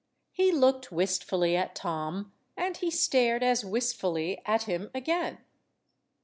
He looked wistfully at Tom, and he stared as wistfully at him again.